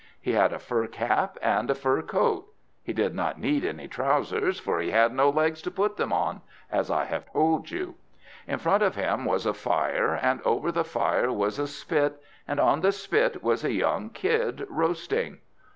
He had a fur cap, and a fur coat; he did not need any trousers, for he had no legs to put them on, as I have told you. In front of him was a fire, and over the fire was a spit, and on the spit was a young kid roasting.